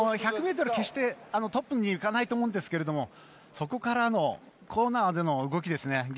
１００ｍ、決してトップにいかないと思うんですがそこからのコーナーでの動きですね。